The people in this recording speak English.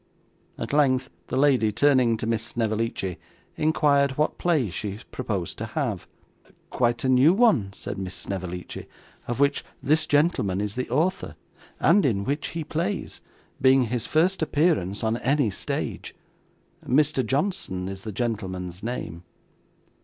At length, the lady, turning to Miss Snevellicci, inquired what play she proposed to have. 'Quite a new one,' said Miss Snevellicci, 'of which this gentleman is the author, and in which he plays; being his first appearance on any stage. Mr. Johnson is the gentleman's name.